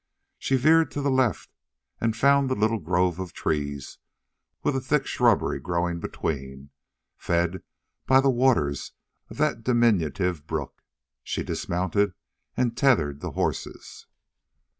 She veered to the left and found the little grove of trees with a thick shrubbery growing between, fed by the water of that diminutive brook. She dismounted and tethered the horses.